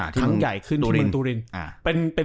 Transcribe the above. ทั้งใหญ่ขึ้นที่เมืองตูริน